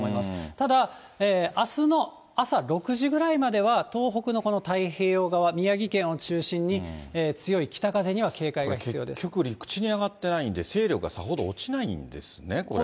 ただ、あすの朝６時ぐらいまでは、東北のこの太平洋側、宮城県を中心に、結局、陸地に上がってないんで、勢力がさほど落ちないんですね、これ。